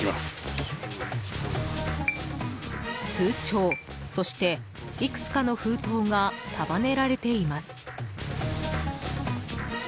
通帳、そしていくつかの封筒が束ねられています。